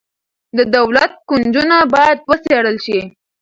د دولت کونجونه باید وڅیړل شي.